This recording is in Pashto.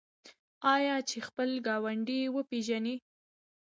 آیا چې خپل ګاونډی وپیژني؟